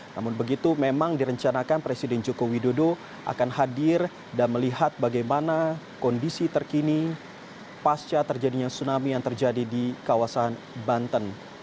namun di banten terlihat sudah ada helikopter yang turun dari pagi hari ini